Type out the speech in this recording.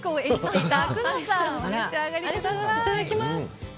いただきます。